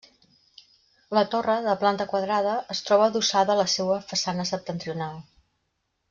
La torre, de planta quadrada, es troba adossada a la seua façana septentrional.